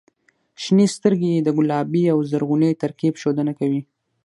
• شنې سترګې د ګلابي او زرغوني ترکیب ښودنه کوي.